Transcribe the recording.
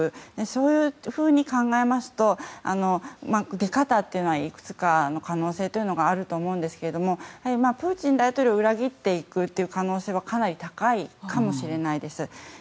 そういうふうに考えますと出方というのはいくつか可能性があるかと思うんですがプーチン大統領を裏切っていく可能性はかなり高いかもしれないです。